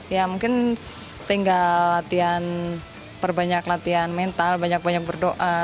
ya mungkin tinggal latihan perbanyak latihan mental banyak banyak berdoa